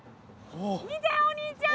見てお兄ちゃん！